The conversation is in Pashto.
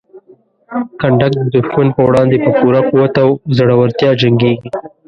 کنډک د دښمن په وړاندې په پوره قوت او زړورتیا جنګیږي.